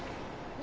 ・何！？